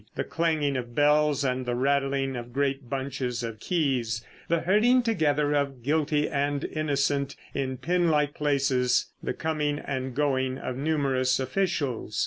The clanging of bells and the rattling of great bunches of keys. The herding together of guilty and innocent in pen like places. The coming and going of numerous officials.